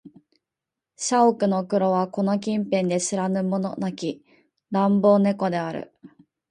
車屋の黒はこの近辺で知らぬ者なき乱暴猫である